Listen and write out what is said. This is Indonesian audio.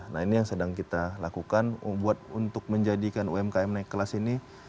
nah ini yang sedang kita lakukan buat untuk menjadikan umkm naik kelas ini